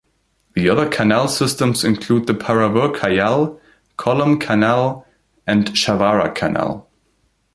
The other canal systems include the Paravur Kayal, Kollam Canal and Chavara canal.